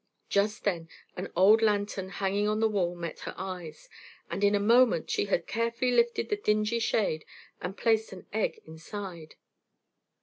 Just then an old lantern hanging on the wall met her eyes, and in a moment she had carefully lifted the dingy shade and placed an egg inside.